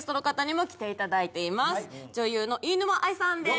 今回は女優の飯沼愛さんです